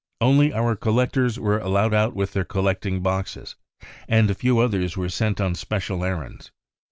Only our collectors were allowed out with their collecting boxes, and a few others were sent on special errands.